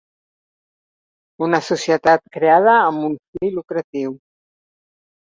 Una societat creada amb un fi lucratiu.